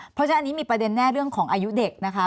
เพราะฉะนั้นอันนี้มีประเด็นแน่เรื่องของอายุเด็กนะคะ